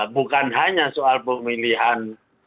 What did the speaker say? bukan hanya soal pemilihan